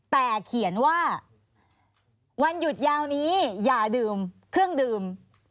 แต่เขียนว่าวันหยุดยาวนี้อย่าดื่มเครื่องดื่ม